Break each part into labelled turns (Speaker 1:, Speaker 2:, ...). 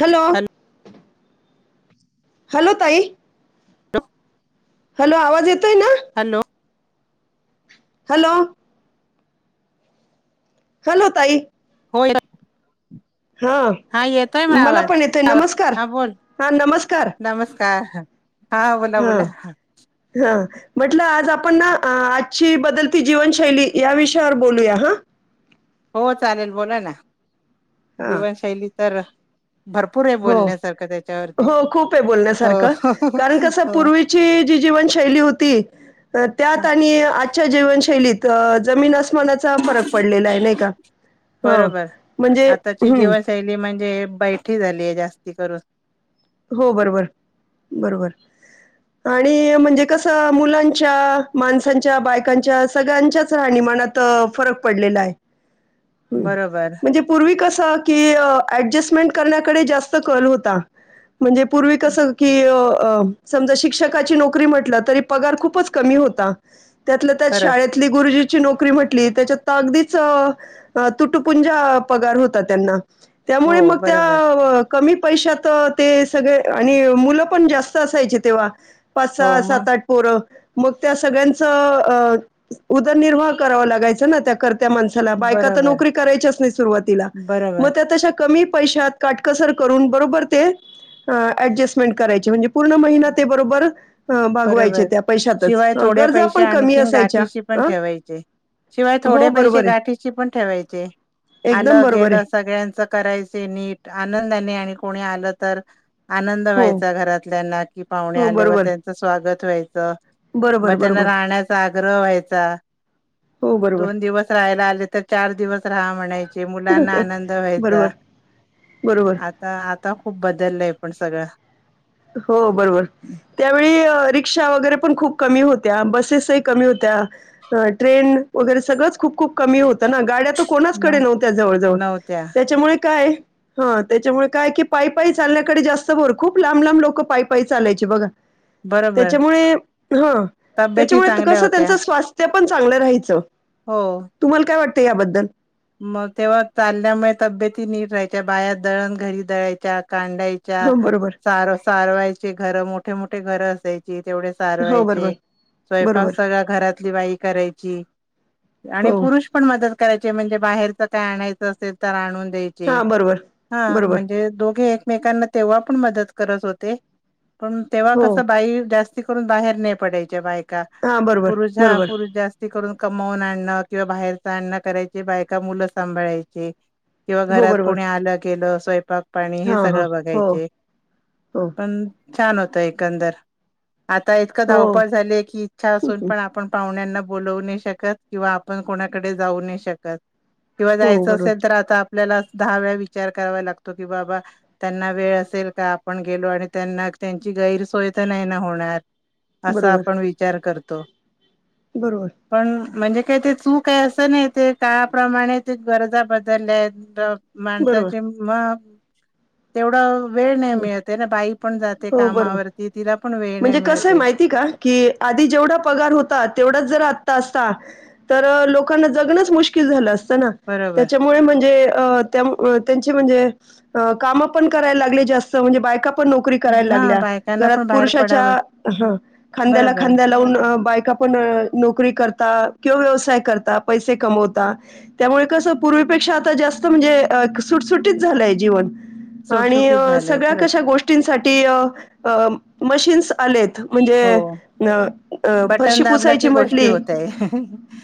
Speaker 1: Hello
Speaker 2: hello
Speaker 1: hello ताई hello आवाज येतोय ना
Speaker 2: हॅलो
Speaker 1: हॅलो हल होताई
Speaker 2: हो
Speaker 1: हा मला पण येतोय नमस्कार हा नमस्कार
Speaker 2: ह हा बोला
Speaker 1: हा
Speaker 2: बोला
Speaker 1: हा म्हटलं आज आपण ना आजची बदलती जीवनशैली या विषयावर बोलूया हा
Speaker 2: हो चालेल बोला ना
Speaker 1: हां
Speaker 2: जीवनशैली तरर
Speaker 1: हो हो खूप आहे
Speaker 2: हो
Speaker 1: बोलण्यासारखं कारण कसं
Speaker 2: हो
Speaker 1: पूर्वीची जी जीवनशैली होती त्यात आणि आजच्या जीवनशैलीत तर जमीन फरक पडलेला आहे नाही का ह
Speaker 2: बरोबर
Speaker 1: म्हणजे
Speaker 2: आताची कर
Speaker 1: हो बरोबर बरोबर आणि म्हणजे कसं मुलांच्या माणसांच्या बायकांच्या सगळ्यांच्याच रा निमानात फरक पडलेला आहे
Speaker 2: बरोबर
Speaker 1: म्हणजे पूर्वी कसं की अडजस्टमें करण्याकडे जास्त क होता म्हणजे पूर्वी कसं की अ समजा शिक्षकाची नोकरी म्हटल तरी पगार खूपच कमी होता त्यातलं त्यात
Speaker 2: खरंच
Speaker 1: शाळेतली गुरुजी नोकरी म्हटली त्याच्यात अगदीच तुटपुंजा पगार होता त्यांना
Speaker 2: हो
Speaker 1: त्यामुळे मग
Speaker 2: बरोबर
Speaker 1: त्या कमी पैशा तर ते सगळे आणि मुलं पण जास्त असायचे तेव्हा पाच स
Speaker 2: हो मग
Speaker 1: सात आठ पोरं मग त्या सगळ्यांच उदरनिर्वाह करावा लागायचं ना त्याकर क
Speaker 2: बरोबर बरोबर
Speaker 1: क पैशात काटकसर करून बरोबर ते अऍडजस्टमेंट करायची म्हणज भागवायचे
Speaker 2: बरोबर
Speaker 1: त्या पैशातच
Speaker 2: शिवाय
Speaker 1: अ,
Speaker 2: थोडे
Speaker 1: गरजा
Speaker 2: पैसे
Speaker 1: पण कमी
Speaker 2: आणखीन
Speaker 1: असायच्या
Speaker 2: गाठीशी
Speaker 1: अ,
Speaker 2: पण ठेवायचे शिवाय
Speaker 1: हो
Speaker 2: थोडे पैसे
Speaker 1: बरोबर आहे
Speaker 2: गाठीशी पण ठेवायचे
Speaker 1: एकदम
Speaker 2: आलं
Speaker 1: बरोबर आहे
Speaker 2: गेलं सगळ्यांच करायचे नीट आनंद नी आणि कोणी आलं तर आनंद
Speaker 1: हो
Speaker 2: व्हायचा घरात क पाह
Speaker 1: हो
Speaker 2: आल्यावर
Speaker 1: बरोबर
Speaker 2: त्यां गत व्हायचं
Speaker 1: बरोबर
Speaker 2: मतना
Speaker 1: बरोबर
Speaker 2: राहण्याचा आग्रह व्हायचा
Speaker 1: हो बरोबर
Speaker 2: दोन दिवस राहायला आले तर चार दिवस राहा म्हणाय मुलांना आनंद व्हायचा,
Speaker 1: बरोबर बरोबर
Speaker 2: आता आता खूप बदलय पण. [unintelligible]
Speaker 1: हो बरोबर, त्यावेळी परिक्षा वगैरे पण खूप कमी होत्या, बसेसही कमी होत्या. ट्रेन वगैरे सगळंच खूप खूप कमी होत ना गाड्या कोणाचकडे
Speaker 2: मग
Speaker 1: नव्हत्या जवळ जवळ
Speaker 2: नव्हत्या
Speaker 1: त्याच्यामुळे काय ह त्याच्यामुळे, काय कि पाई पाई चालण्याडे जास्त भर खूप ला म लाम लोक पाई पाई चालायचे बघा
Speaker 2: बरोबर
Speaker 1: त्याच्यामुळे ह
Speaker 2: तब्येती
Speaker 1: त्याच्यामुळे [unintelligible]
Speaker 2: चांगल्या
Speaker 1: कस त्यांच
Speaker 2: होत्या
Speaker 1: स्स् ते पण चांगलं राहायचं.
Speaker 2: हो
Speaker 1: तुम्हाला काय वाटत? ते याबद्दल.
Speaker 2: मग तेव्हा चालण्यामुळे तब्येती नीट राहायच्या. बाया दळण घरी दळायच्या. कांडायच्या
Speaker 1: हं, बरोबर.
Speaker 2: सार सारवायचे घर मोठे मोठे. ते घर असायच. ते तेवढ
Speaker 1: हो, बरोबर.
Speaker 2: सारवायचे, स्वयपाक
Speaker 1: बरोबर.
Speaker 2: सगळ घरातली बाई करायची आणि
Speaker 1: हो.
Speaker 2: पुरुष पण मदत करायचे म्हणजे बाहेरच काय आणायचं असेल तर आणून दयायचे.
Speaker 1: हां, बरोबर.
Speaker 2: हा
Speaker 1: बरोबर.
Speaker 2: म्हणजे दोघे मेकांना तेव्हा पण मदत करत होते. पण तेव्हा
Speaker 1: हो.
Speaker 2: कसं बाई जास्त जास्तीकरून बाहेर नाही पडायच्या बाई. [unintelligible]
Speaker 1: हां, बरोबर.
Speaker 2: पुरुष हा
Speaker 1: बरोबर.
Speaker 2: पुरुष जास्ती करून कमवून आणणं किंवा बाहेरच आणं करायची बाय मुलं सांभाळायचे. किंवा
Speaker 1: हो,
Speaker 2: घरात
Speaker 1: बरोबर.
Speaker 2: कोणी आलं गलं. स्वयपाक? पाणी
Speaker 1: हा
Speaker 2: हे
Speaker 1: हा
Speaker 2: सगळं
Speaker 1: हो
Speaker 2: बघायचे,
Speaker 1: हो
Speaker 2: पण छान होत. ते एकंदर आता इतकं
Speaker 1: हो
Speaker 2: धावपळ झालीय की इच्छा असून पण
Speaker 1: हो
Speaker 2: आपण पाहुण्यांना बोलवू नाही शकत किंवा आपण कोणाकडे जाऊ नाही शकत. किंवा जायचं असेल
Speaker 1: बरोबर
Speaker 2: तर आता आपल्याला दहा वेळा विचार करावा लागतो की बाबा त्यांना वेळ असेल का आपण गेलो आणि त्यांना त्यांची गैरसोय तर नाही ना होणार. असा
Speaker 1: बरोबर
Speaker 2: आपण विचार करतो. त.
Speaker 1: बरोबर
Speaker 2: पण म्हणजे. काय ते चू काय असं ना ते का प्रमाणे ते गरजा बदलल्यात
Speaker 1: बरोबर
Speaker 2: माणसाचे म तेवढं वेळ नाही मिळते ना बाई पण जाते
Speaker 1: हो बरोबर
Speaker 2: कामावरती तिला पण वेळ नाही
Speaker 1: म्हणजे कसं आहे
Speaker 2: मिळते
Speaker 1: माहिती का की आधी जेवढा पगार होता तेवढाच जर अस तर लोकांना जगणच मुश्कल झालं असत ना
Speaker 2: बरोबर
Speaker 1: त्याच्यामुळे म्हणजे त्यां म्हणजे काम पण कराय लागले जास्त म्हणजे बाय पण नोकरी करायला
Speaker 2: हा
Speaker 1: लागल्या
Speaker 2: बायकांना
Speaker 1: घरात
Speaker 2: पण बाहेर
Speaker 1: पुरुषाच्या
Speaker 2: पडावंच
Speaker 1: हा खांद्याला
Speaker 2: बरोबर
Speaker 1: खांद्या लावून बायका पण नोकरी करता किंवा व्यवसाय करता पैसे कमवता त्यामुळे कसं पूर्वीपेक्षा आता जास्त म्हणजे सुटसुटीत झालंय जीवन आणि
Speaker 2: सुटसुटीत झालंय
Speaker 1: सगळ्या
Speaker 2: खरंच
Speaker 1: कशा गोष्टींसाठी अ तसेच आलेत
Speaker 2: हो
Speaker 1: म्हणजे
Speaker 2: बटन
Speaker 1: फरशी
Speaker 2: दाबला
Speaker 1: पुसायची
Speaker 2: की गोष्टी
Speaker 1: म्हटली
Speaker 2: होतय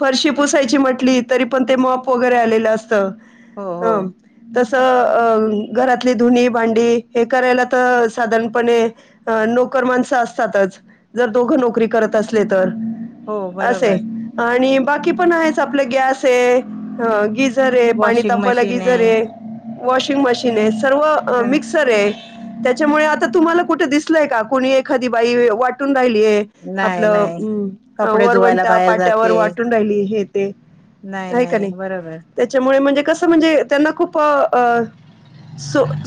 Speaker 1: फरशी पुसायची म्हटली तरी पण ते वगैरे आलेलं असतं
Speaker 2: हो हो
Speaker 1: हम तस अ घरातली धुनी भांडी हे करायला तर साधारणपणे अ नोकर माणसं असतातच जर दोघं नोकरी करत असले तर
Speaker 2: हो
Speaker 1: असे
Speaker 2: बरोबर
Speaker 1: आणि बाकी पण आहे आपलं गॅस आहे गिझर पाणी
Speaker 2: वॉशिंग
Speaker 1: तापवायला
Speaker 2: मशीन
Speaker 1: गिझर आहे वॉशिंग मशीन आहे मिक्सर आहे त्याच्यामुळे आता तुम्हाला कुठे कोणी एखादी बाई वाटून राहिली
Speaker 2: नाही नाही
Speaker 1: आपलं्
Speaker 2: कपडे धुवायला
Speaker 1: वरवंटा
Speaker 2: बाहेर
Speaker 1: पाट्यावर
Speaker 2: जाते
Speaker 1: वाटून राहिली हे का नाही? त्याच्यामुळे म्हणजे कस म्हणजे त्यांना खूप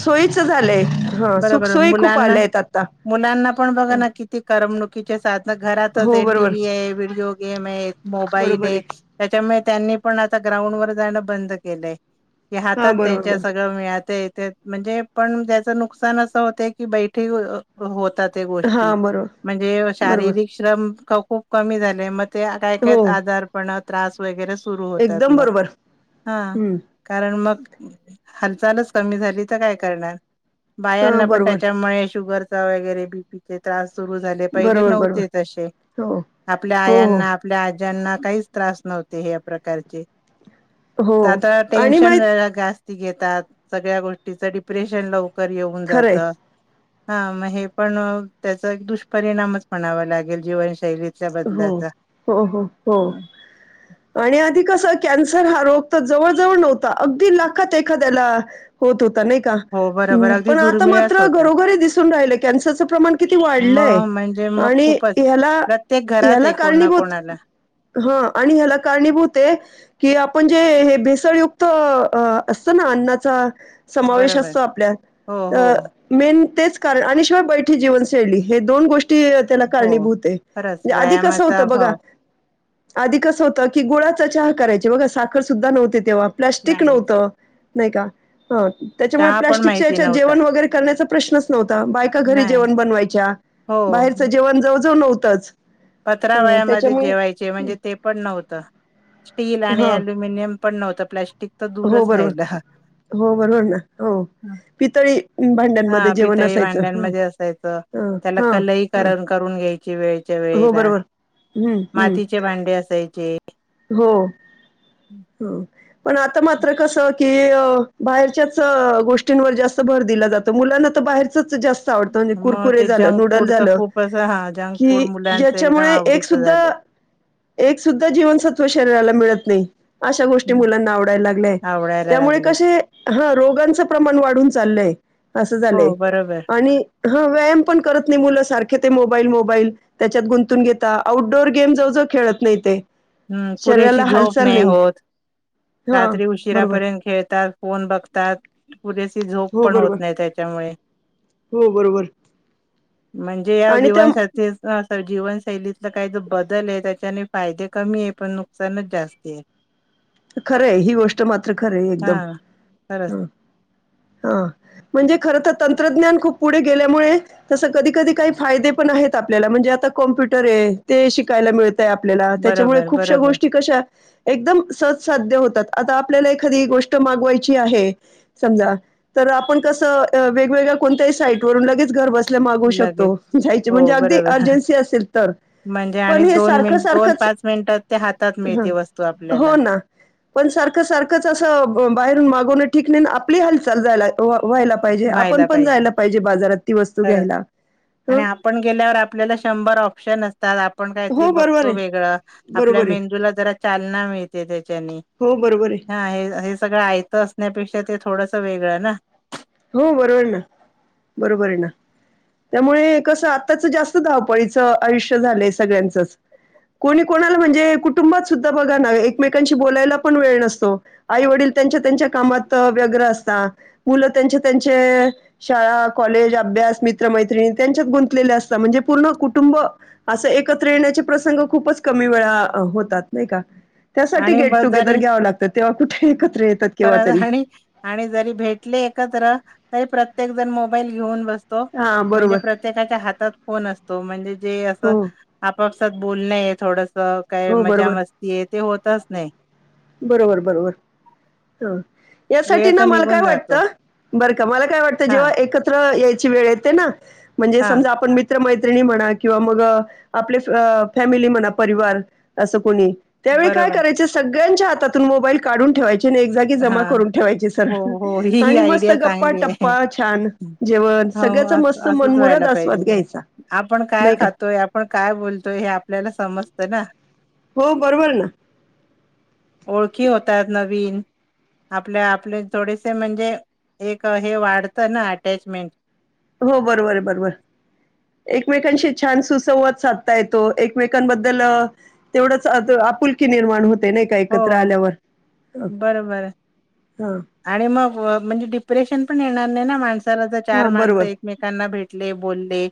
Speaker 1: सोयीच झालंय हा
Speaker 2: बरोबर
Speaker 1: सुखसोय खूप
Speaker 2: मुलांना
Speaker 1: आल्याय आता
Speaker 2: मुलांना पण बघ ना किती करमणुकीचे साधन घरातच
Speaker 1: हो
Speaker 2: आहे
Speaker 1: बरोबर,
Speaker 2: टीव्ही आहे, व्हिडिओ गेम आहे, मोबाईल आहे, त्याच्यामुळे त्यांनी पण आता ग्राउंड वर जाणं बंद केलंय हातात
Speaker 1: हां बरोबर,
Speaker 2: त्यांच्या
Speaker 1: बरोबर.
Speaker 2: सगळं मिळतंय म्हणजे पण त्याच नुकसान नुकसान असं होत की बैठे होतात त्या गोष्टी
Speaker 1: हां बरोबर,
Speaker 2: म्हणजे
Speaker 1: बरोबर.
Speaker 2: शारीरिक श्रम खूप कमी झाले मग ते काय, काय
Speaker 1: हो
Speaker 2: आजारपणात त्रास वगैरे सुरू होतात
Speaker 1: एकदम
Speaker 2: मग
Speaker 1: बरोबर
Speaker 2: हा
Speaker 1: हम्म
Speaker 2: कारण मग हालचालच कमी झाली तर काय करणार?
Speaker 1: हा
Speaker 2: बायांना पण
Speaker 1: बरोबर
Speaker 2: त्याच्यामुळे शुगर वगैरे बी पी चे त्रास पहिले
Speaker 1: बरोबर बरोबर
Speaker 2: नव्हते तसे
Speaker 1: हो
Speaker 2: आपल्या
Speaker 1: हो हो
Speaker 2: आयांना आपल्या आज्यां ज्यांना काहीच त्रास नव्हते या प्रकारचे त्या
Speaker 1: हो
Speaker 2: काळात
Speaker 1: आणि
Speaker 2: टेन्शन
Speaker 1: माहित
Speaker 2: घेतात सगळ्या गोष्टीचं डिप्रेशन लवकर येऊन जात
Speaker 1: खरंय
Speaker 2: हा मग हे पण त्याचा एक दुष्परिणामच म्हणावा लागेल जीवनशैलीत
Speaker 1: हो, हो, हो, हो आणि आधी कस कन्सर हा रोग तर जवळ जवळ नव्हता अगदी लाखात एखाद्याला होत होता का
Speaker 2: हो बरोबर अगदी
Speaker 1: पण आता
Speaker 2: दुर्मिळच
Speaker 1: मात्र
Speaker 2: होता
Speaker 1: घरोघरी दिसून राहिल कन्सरच प्रमाण किती वाढलंय
Speaker 2: मग म्हणजे मग
Speaker 1: आणि
Speaker 2: खूपच
Speaker 1: याला
Speaker 2: प्रत्येक घरात
Speaker 1: ह्याला
Speaker 2: आहे कोणा
Speaker 1: कारणीभूत
Speaker 2: कोणाला
Speaker 1: ह आणि ह्याला कारणीभूत आहे की आपण जे हे भेसळयुक्त असत ना अन्नाचा समावेश
Speaker 2: बरोबर
Speaker 1: असतो आपल्या
Speaker 2: हो हो
Speaker 1: मेन तेच कारण आणि शिवाय बैठी जीवनशैली हे दोन गोष्टी त्याला
Speaker 2: हो
Speaker 1: कारणीभूत आहे
Speaker 2: खरंच
Speaker 1: म्हणजे आधी कसं
Speaker 2: व्यायामाचा
Speaker 1: होतं बघा,
Speaker 2: अभाव
Speaker 1: आधी कसं होतं की गुळाचा चहा करायचे बघा साखर सुद्धा नव्हती तेव्हा प्लास्टिक
Speaker 2: नाही नाही
Speaker 1: नव्हतं नाही का ह त्याच्यामुळे
Speaker 2: चहा पण
Speaker 1: प्लास्टिकच्या
Speaker 2: माहिती
Speaker 1: याच्यात
Speaker 2: नव्हता
Speaker 1: जेवण वगैरे करण्याचा प्रश्नच नव्हता बायका घरी
Speaker 2: नाही
Speaker 1: जेवण बनवायच्या
Speaker 2: हो
Speaker 1: बाहेरच जेवण जव [inaudible] तच
Speaker 2: पत्रावळ्यामध्ये जेवायचे
Speaker 1: हं,
Speaker 2: म्हणजे ते पण नव्हतं स्टील आणि
Speaker 1: हां.
Speaker 2: अल्युमिनियम पण नव्हतं फ्लॅश तर
Speaker 1: हो
Speaker 2: दूरच
Speaker 1: बरोबर
Speaker 2: राहायचं
Speaker 1: हो बरोबर ना हो पितळी भांड्यांमध्ये
Speaker 2: हा
Speaker 1: जेवण
Speaker 2: पितळी
Speaker 1: असायचं हं
Speaker 2: भांड्यांमध्ये असायच
Speaker 1: हं
Speaker 2: त्याला
Speaker 1: हां
Speaker 2: कलइ
Speaker 1: हां
Speaker 2: करून घ्यायची वेळच्या
Speaker 1: हो
Speaker 2: वेळी.
Speaker 1: बरोबर हं हं
Speaker 2: मातीचे भांडे असायचे,
Speaker 1: हो. हो पण आता मात्र कसं की बाहेरच्याच गोष्टींवर जास्त भर दिला जातो, मुलांना तर बाहेर तर जास्त आवडत
Speaker 2: मग
Speaker 1: कुरकुरे
Speaker 2: ते
Speaker 1: झालं,
Speaker 2: जंक
Speaker 1: नूडल्स
Speaker 2: फूड तर
Speaker 1: झालं
Speaker 2: खूपच हा जंक फूड
Speaker 1: की
Speaker 2: मुलांचं एकदम
Speaker 1: ज्याच्यामुळे एक
Speaker 2: आवडीचं
Speaker 1: सुद्धा
Speaker 2: झालं
Speaker 1: एक सुद्धा जीवन शरीराला मिळत नाही. अशा गोष्टी मुलांना आवडायला लागल्याय
Speaker 2: आवडायला
Speaker 1: त्यामुळे
Speaker 2: लागलेत
Speaker 1: कसे हा रोगांचं प्रमाण वाढून चालय. असं झालंय
Speaker 2: हो बरोबर
Speaker 1: आणि हा व्यायाम पण करत नाही, मुलं सारखे ते मोबाईल मोबाईल त्याच्यात गुंतून घेता आउटडोअर गेम जवळ जवळ खेळत नाही ते.
Speaker 2: हम्म पुरेशी
Speaker 1: शरीराला
Speaker 2: झोप
Speaker 1: हालचाल
Speaker 2: नाही होत.
Speaker 1: हा
Speaker 2: रात्री
Speaker 1: बरोबर
Speaker 2: उशिरापर्यंत खेळतात फोन बघतात. पुरेशी झोप
Speaker 1: हो
Speaker 2: पण होत
Speaker 1: बरोबर
Speaker 2: नाही त्याच्यामुळे.
Speaker 1: हो बरोबर
Speaker 2: म्हणजे या
Speaker 1: आणि त्या
Speaker 2: जीवन जीवनशैलीत. काही जे बदल आहे त्याच्याने फायदे कमी आहे, पण नुकसानच जास्त आहे.
Speaker 1: खरं आहे ही गोष्ट मात्र खरं एकदम
Speaker 2: हा खरंच
Speaker 1: ह हा म्हणजे, खर तर तंत्रज्ञान खूप पुढे गेल्यामुळे तसं कधी कधी काही फायदे पण आहेत आपल्याला म्हणजे आता कॉम्प्युटर आहे ते शिकायला मिळत. आपल्याला त्याच्यामुळे
Speaker 2: बरोबर
Speaker 1: खूपश्या
Speaker 2: बरोबर
Speaker 1: गोष्टी कशा एकदम सव ध्य होतात, आ आपल्याला एखादी गोष्ट मागवायची आहे, समजा तर आपण कस वेगवेगळ्या कोणत्याही साईट वरून लगेच घर बस मागवु शकतो
Speaker 2: लगेच हो
Speaker 1: म्हणजे अगदी
Speaker 2: बरोबर
Speaker 1: अर्जनसी असेल तर
Speaker 2: म्हणजे
Speaker 1: पण
Speaker 2: आणि
Speaker 1: हे
Speaker 2: दोन
Speaker 1: सारख
Speaker 2: मिनिट दोन
Speaker 1: सारखच
Speaker 2: पाच मिनिटात ते हातात
Speaker 1: ह
Speaker 2: मिळते वस्तू
Speaker 1: हो
Speaker 2: आपल्याला
Speaker 1: ना! पण सारखं सारखंच असं बाहेरून मागवण ठीक नाही आपली हाल चाल जायला व्हायला पाहिजे. आपण
Speaker 2: व्हायला
Speaker 1: पण
Speaker 2: पाहिजे
Speaker 1: जायला बाजारात ती वस्तू
Speaker 2: खर
Speaker 1: घ्यायला.
Speaker 2: आणि
Speaker 1: हं.
Speaker 2: आपण गेल्यावर आपल्याला शंभर ऑप्शन असतात आपण काहीतरी
Speaker 1: हो बरोबर
Speaker 2: बघतो
Speaker 1: आहे.
Speaker 2: वेगळं आपल्या
Speaker 1: बरोबर आहे.
Speaker 2: मेंदूला जरा चालना मिळते त्याच्याने.
Speaker 1: हो बरोबर आहे.
Speaker 2: हा हे हे सगळं आयतास न्या ते थोडस वेगळं ना!
Speaker 1: हो बरोबर ना बरोबर ना, त्यामुळे कसं आत्ताच जास्त धावपळीचं आयुष्य झालंय सगळ्यांचंच कोणी कोणाला म्हणजे कुटुंबात सुद्धा बघा ना एकमेकांशी बोलायला पण वेळ नसतो आई वडील त्यांच्या त्यांच्या कामात व्यग्र असता मुलं त्यां त्यां शाळा कॉलेज अभ्यास मित्र मैतणी त्यांच्यात गुंतलेले असतात, म्हणजे पूर्ण कुटुंब अस एकत्र येण्याचे प्रसंग खूपच कमी वेळा होतात नाही का. त्यासाठी
Speaker 2: आणि
Speaker 1: गेट
Speaker 2: बस
Speaker 1: टुगेदर
Speaker 2: जरी
Speaker 1: घ्यावं लागतात तेव्हा कुठे एकत्र येतात केव्हा
Speaker 2: खरं
Speaker 1: तरी.
Speaker 2: आणि आणि जरी भेटले प्रत्येक जण मोबाईल घेऊन ब
Speaker 1: हां
Speaker 2: म्हण
Speaker 1: बरोबर.
Speaker 2: प्र्ये ह
Speaker 1: हो,
Speaker 2: म्हण बोलणय आहे थोडं काय
Speaker 1: हो
Speaker 2: मजा
Speaker 1: बरोबर,
Speaker 2: मस्ती य ते होतच नाही
Speaker 1: बरोबर बरोबर हा
Speaker 2: वेळ
Speaker 1: यासाठी
Speaker 2: तर
Speaker 1: ना मला काय
Speaker 2: निघून जातो
Speaker 1: वाटतं बरं का मला काय वाटतं
Speaker 2: हा
Speaker 1: जेव्हा एकत्र यायचं वेळ येते ना म्हणजे
Speaker 2: हा
Speaker 1: समजा आपणित मित्र मैत्रिणी म्हणा किंवा मग आपले फॅमिली म्हणा परिवार असं कोणी त्यावेळी काय
Speaker 2: बरोबर
Speaker 1: करायचे सगळे च्या हातून मोबाईल काढून ठेवाय एक जागी
Speaker 2: हा
Speaker 1: जमा करून ठेवायची
Speaker 2: हो
Speaker 1: सरळ
Speaker 2: हो ही ही
Speaker 1: आणि मस्त
Speaker 2: आयडिया
Speaker 1: गप्पा
Speaker 2: चांगली आहे
Speaker 1: टप्पा छान जेवण
Speaker 2: हो
Speaker 1: सगळ्याचा
Speaker 2: असं
Speaker 1: मस्त
Speaker 2: असंच व्हायला
Speaker 1: मनमुराद
Speaker 2: पाहिजे
Speaker 1: आस्वाद घ्यायचा
Speaker 2: आपण काय
Speaker 1: नाही का
Speaker 2: समस्त ना
Speaker 1: हो, बरोबर ना.
Speaker 2: ओळखी होताय न वन आपल्या आपले थोडेसे म्हणजे एक हे वाढतं ना अटॅचमेंट
Speaker 1: हो बरोबर आहे बरोबर एकमेकांशी छान सुसंवाद साधता येतो एकमेकांबद्दल तेवढंच आपुलकी निर्माण होत ते नाही काय एकत्र आल्यावर ह
Speaker 2: बर बर
Speaker 1: हा
Speaker 2: आणि मग म्हणजे डिप्रेशन पण ये न ना मा चार
Speaker 1: हा
Speaker 2: माणस
Speaker 1: बरोबर
Speaker 2: एकमेकांना भेटले बोलले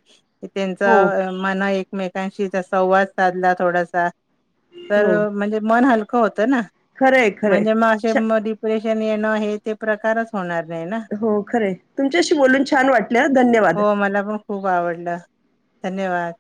Speaker 2: त्यांच
Speaker 1: हो
Speaker 2: मन एकमे त्यांशी संवाद साधला थोडासा तर
Speaker 1: हो
Speaker 2: म्हणजे मन हल होतं ना
Speaker 1: खरंय खरंय
Speaker 2: म्हणजे मासेे
Speaker 1: छ
Speaker 2: िप्रेशन येण हे ते प्रकारच होणार नाही ना
Speaker 1: हो खरे तुमच्याशी बोलून छान वाटल्या धन्यवाद
Speaker 2: हो मला पण खूप आवडलं धन्यवाद